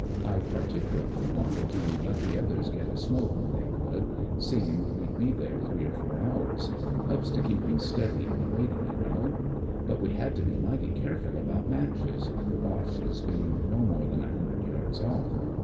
I particulariy wanted to let the others get a smoke when they could, seeing we'd be there three or four hours ; helps to keep 'em steady in the waiting, you know; but we had to be mighty careful about matches, the Boche being no more than a hundred yards off.